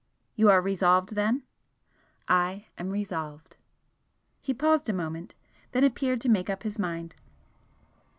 "You are resolved, then?" "I am resolved!" He paused a moment, then appeared to make up his mind.